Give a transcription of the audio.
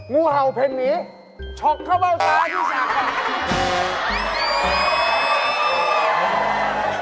งูเห่าเพล็นหนีชกเข้าเป้าตาที่สัก